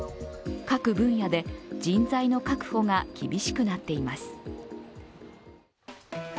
各分野で人材の確保が厳しくなっています。